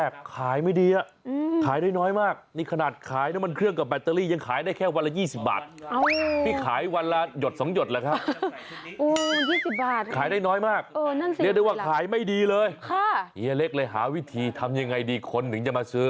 ๒๐บาทขายได้น้อยมากเรียกได้ว่าขายไม่ดีเลยไอ้เล็กเลยหาวิธีทำยังไงดีคนถึงจะมาซื้อ